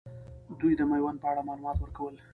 دوي د میوند په اړه معلومات ورکول.